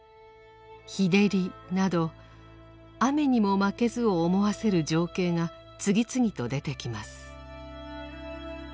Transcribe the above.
「ヒデリ」など「雨ニモマケズ」を思わせる情景が次々と出てきます。